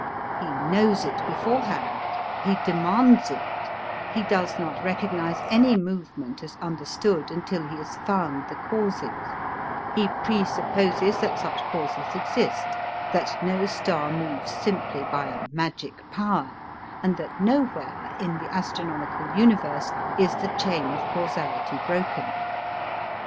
He knows it beforehand, he demands it, he does not recognize any movement as understood until he has found the causes, he presupposes that such causes exist, that no star moves simply by a magic power, and that nowhere in the astronomical universe is the chain of causality broken.